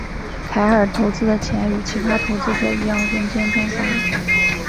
凯尔投资的钱与其他投资者一样人间蒸发。